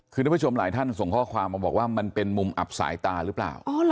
คือทุกผู้ชมหลายท่านส่งข้อความมาบอกว่ามันเป็นมุมอับสายตาหรือเปล่า